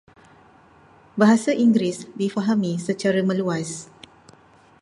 Bahasa Inggeris difahami secara meluas.